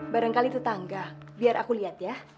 barangkali tetangga biar aku lihat ya